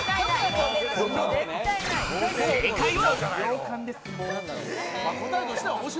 正解は。